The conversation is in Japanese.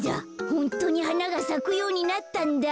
ホントにはながさくようになったんだ。